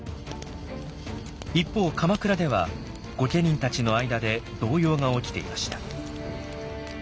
一方鎌倉では御家人たちの間で動揺が起きていました。